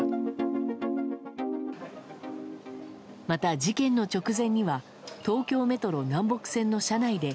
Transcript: また、事件の直前には東京メトロ南北線の車内で